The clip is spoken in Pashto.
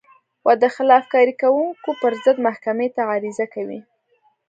و د خلاف کارۍ کوونکو پر ضد محکمې ته عریضه کوي.